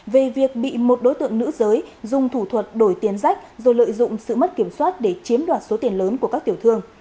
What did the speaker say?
về việc bị một đối tượng nữ giới dùng thủ thuật đổi tiền rách rồi lợi dụng sự mất kiểm soát để chiếm đoạt số tiền lớn của các tiểu thương